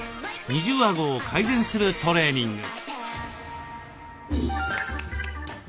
二重あごを改善するトレーニング。